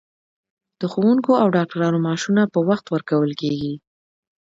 د ښوونکو او ډاکټرانو معاشونه په وخت ورکول کیږي.